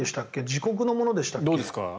自国のものでしたっけ？